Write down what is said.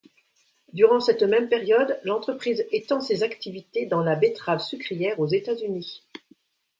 Durant cette même période, l’entreprise étend ses activités dans la betterave sucrière aux États-Unis.